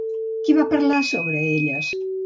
Qui va parlar sobre elles?